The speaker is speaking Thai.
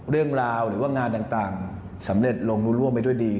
เรื่องราวหรือว่างานต่างสำเร็จลงรู้ล่วงไปด้วยดี